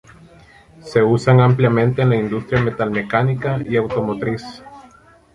Se usan ampliamente en la industria metalmecánica y automotriz.